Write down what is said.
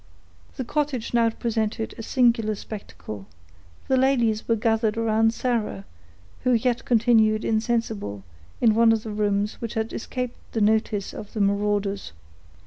The cottage now presented a singular spectacle. The ladies were gathered around Sarah, who yet continued insensible, in one of the rooms that had escaped the notice of the marauders.